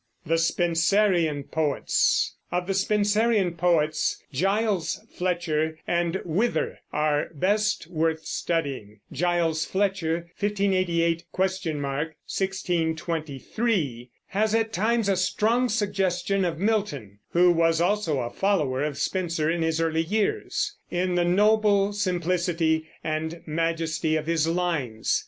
THE SPENSERIAN POETS. Of the Spenserian poets Giles Fletcher and Wither are best worth studying. Giles Fletcher (1588? 1623) has at times a strong suggestion of Milton (who was also a follower of Spenser in his early years) in the noble simplicity and majesty of his lines.